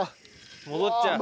戻っちゃう。